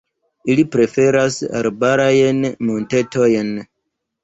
Ili preferas arbarajn montetojn.